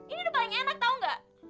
ini udah paling enak tau gak